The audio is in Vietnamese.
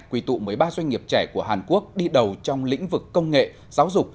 quý tụ mấy ba doanh nghiệp trẻ của hàn quốc đi đầu trong lĩnh vực công nghệ giáo dục